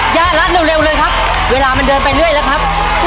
ย่ารัดเร็วเลยครับเวลามันเดินไปเรื่อยแล้วครับ